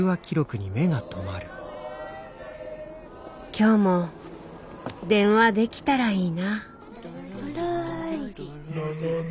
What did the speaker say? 今日も電話できたらいいな。